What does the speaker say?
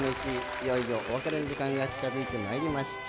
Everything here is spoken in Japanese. いよいよお別れの時間が近づいてまいりました。